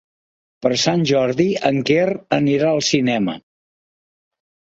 Per Sant Jordi en Quer anirà al cinema.